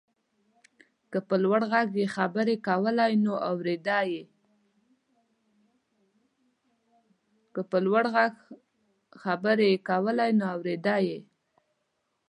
که په لوړ غږ يې خبرې کولای نو اورېده يې.